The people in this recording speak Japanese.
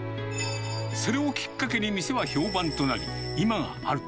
それをきっかけに店は評判となり、今がある。